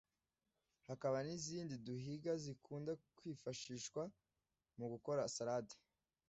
hakaba n’izindi duhinga zikunda kwifashishwa mu gukora salade